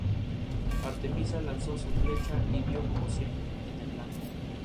Se desempeñó en las inferiores hasta la quinta categoría.